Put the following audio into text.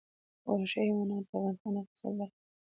وحشي حیوانات د افغانستان د اقتصاد برخه ده.